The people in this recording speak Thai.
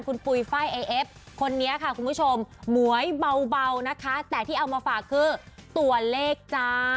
คนพูดผมค่ะคุณผู้ชมหมวยเบาเบานะคะแต่ที่เอามาฝากคือตัวเลขจ้า